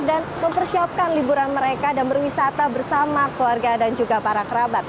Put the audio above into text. dan mempersiapkan liburan mereka dan berwisata bersama keluarga dan juga para kerabat